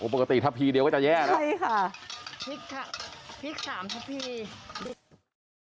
ปกติถ้าพีเดียวก็จะแย่นะใช่ค่ะพริกค่ะพริกสามทะพี